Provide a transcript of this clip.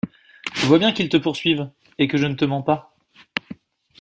Tu vois bien qu’ils te poursuivent, et que je ne te mens pas.